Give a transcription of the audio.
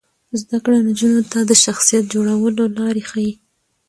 زده کړه نجونو ته د شخصیت جوړولو لارې ښيي.